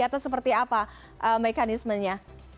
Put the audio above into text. atau seperti apa mekanismenya